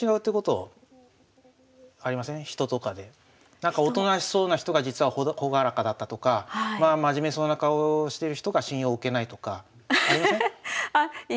なんかおとなしそうな人が実は朗らかだったとか真面目そうな顔をしてる人が信用置けないとかありません？